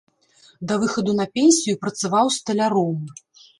Да выхаду на пенсію працаваў сталяром.